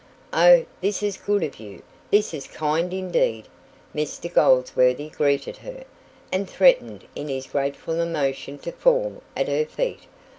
"Oh, this is good of you! This is kind indeed!" Mr Goldsworthy greeted her, and threatened in his grateful emotion to fall at her feet.